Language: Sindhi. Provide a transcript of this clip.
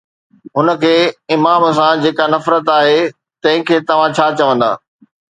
هن کي امام سان جيڪا نفرت آهي، تنهن کي توهان ڇا چوندا؟